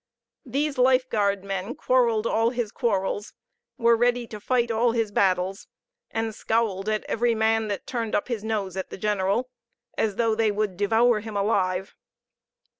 These lifeguard men quarreled all his quarrels, were ready to fight all his battles, and scowled at every man that turned up his nose at the general, as though they would devour him alive.